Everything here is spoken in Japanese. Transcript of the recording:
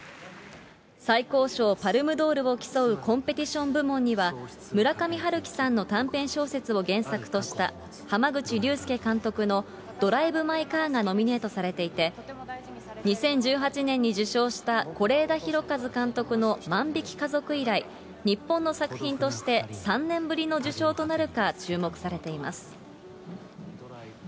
最高賞・パルムドールを競うコンペティション部門には、村上春樹さんの短編小説を原作とした濱口竜介監督のドライブ・マイ・カーがノミネートされていて、２０１８年に受賞した是枝裕和監督の万引き家族以来、日本の作品として、３年ぶりの受賞となるか、注目されています。